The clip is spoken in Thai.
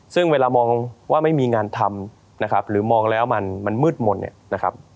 ซึ่งเวลามองว่าไม่มีงานทำหรือมองแล้วมันมืดมน